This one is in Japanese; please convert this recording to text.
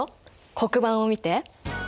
黒板を見て。